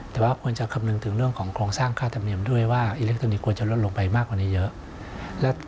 แต่ว่าควรจะคำนึงถึงเรื่องของโครงสร้างค่าธรรมเนียมด้วยว่าอิเล็กทรอนิกควรจะลดลงไปมากกว่านี้เยอะ